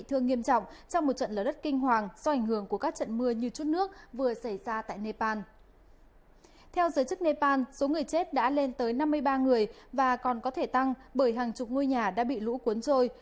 theo giới chức nepal số người chết đã lên tới năm mươi ba người và còn có thể tăng bởi hàng chục ngôi nhà đã bị lũ cuốn trôi